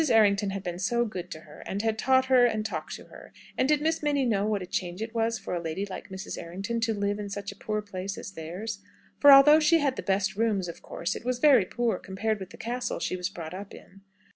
Errington had been so good to her, and had taught her, and talked to her; and did Miss Minnie know what a change it was for a lady like Mrs. Errington to live in such a poor place as theirs? For, although she had the best rooms, of course it was very poor, compared with the castle she was brought up in.